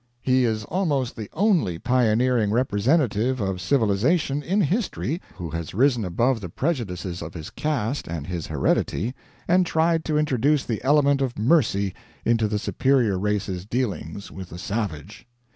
He is almost the only pioneering representative of civilization in history who has risen above the prejudices of his caste and his heredity and tried to introduce the element of mercy into the superior race's dealings with the savage.